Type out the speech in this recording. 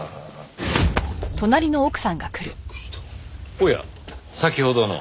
おや先ほどの。